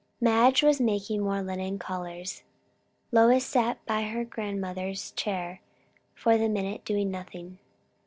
Madge was making more linen collars. Lois sat by her grandmother's chair, for the minute doing nothing.